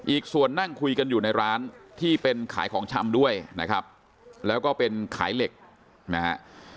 อีกส่วนนั่งคุยกันอยู่ในร้านที่เป็นขายของชำด้วยนะครับแล้วก็เป็นขายเหล็กนะฮะ